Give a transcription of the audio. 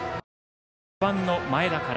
５番の前田から。